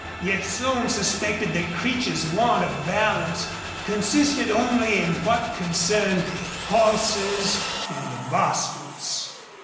Yet Slone suspected that Creech's want of balance consisted only in what concerned horses and the Bostils.